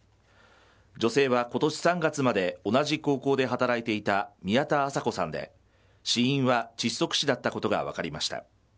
女性は今年３月まで同じ高校で働いていた宮田麻子さんで死因は窒息死だったことが分かりました。